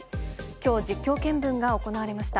今日、実況見分が行われました。